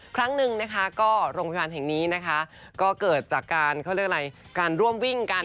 ครั้งนึงโรงพยาบาลแห่งนี้เกิดจากการร่วมวิ่งกัน